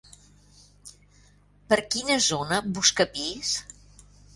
Per quina zona busca pis?